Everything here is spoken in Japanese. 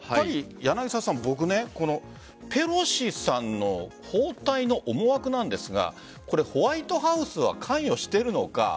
僕はペロシさんの訪台の思惑なんですがホワイトハウスは関与しているのか。